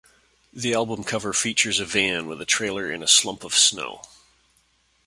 The album cover features a van with a trailer in a slump of snow.